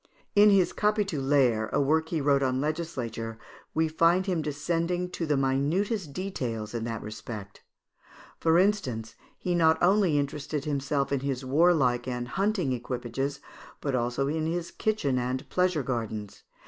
In his "Capitulaires," a work he wrote on legislature, we find him descending to the minutest details in that respect. For instance, he not only interested himself in his warlike and hunting equipages, but also in his kitchen and pleasure gardens.